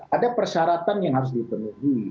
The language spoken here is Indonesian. ada persyaratan yang harus dipenuhi